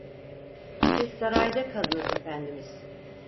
Siz sarayda kalınız efendimiz…